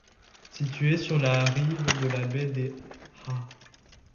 Située sur la rive de la baie des Ha!